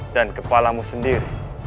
dan kepalamu sendiri